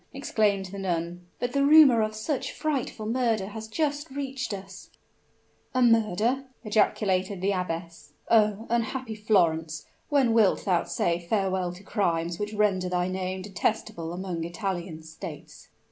exclaimed the nun: "but the rumor of such a frightful murder has just reached us " "A murder!" ejaculated the abbess. "Oh! unhappy Florence, when wilt thou say farewell to crimes which render thy name detestable among Italian states?"